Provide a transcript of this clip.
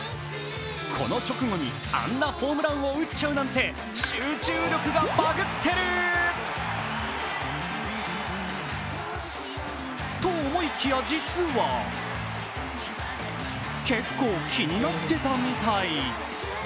この直後に、あんなホームランを打っちゃうなんて集中力がバグってる。と思いきや実は結構気になってたみたい。